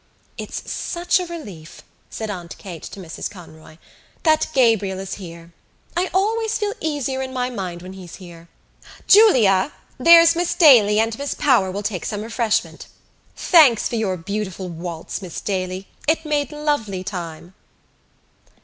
"It's such a relief," said Aunt Kate to Mrs Conroy, "that Gabriel is here. I always feel easier in my mind when he's here.... Julia, there's Miss Daly and Miss Power will take some refreshment. Thanks for your beautiful waltz, Miss Daly. It made lovely time."